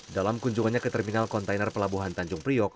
dalam kunjungannya ke terminal kontainer pelabuhan tanjung priok